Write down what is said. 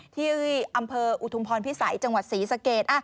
ที่อำเภออุทุมพรพิสัยจังหวัดศรีสะเกด